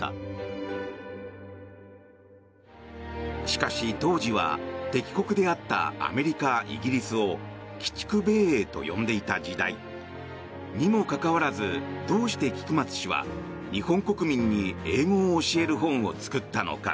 しかし、当時は敵国であったアメリカ、イギリスを鬼畜米英と呼んでいた時代。にもかかわらずどうして菊松氏は日本国民に英語を教える本を作ったのか。